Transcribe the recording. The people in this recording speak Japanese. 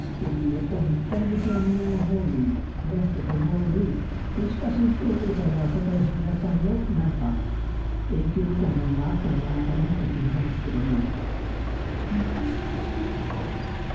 やっぱり立体的なものの方にいらしたところにもしかするとお父さんの朝倉文夫さんのなんか影響みたいなものがあったんじゃないかなって気がしますけども。